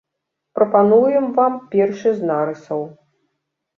Прапануем вам першы з нарысаў.